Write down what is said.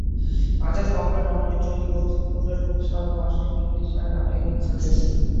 Other popular non-literary works included books on mastering English and attaining success.